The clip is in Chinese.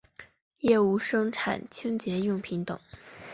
业务生产清洁用品等。